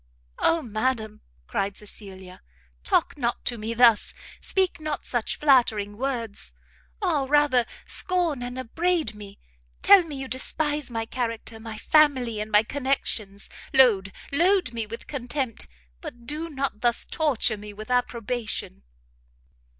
"Oh madam," cried Cecilia, "talk not to me thus! speak not such flattering words! ah, rather scorn and upbraid me, tell me you despise my character, my family and my connections, load, load me with contempt, but do not thus torture me with approbation!"